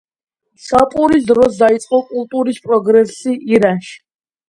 შაპურის დროს დაიწყო კულტურის პროგრესი ირანში.